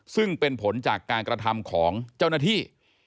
ซึ่งเป็นผลจากการกระทำของเจ้าหน้าที่